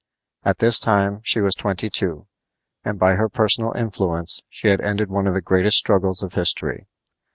At this time she was twenty two, and by her personal influence she had ended one of the greatest struggles of history.